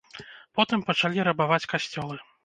Потым пачалі рабаваць касцёлы.